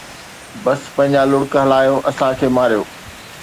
بس پنهنجا لڙڪ هلايو، اسان کي ماريو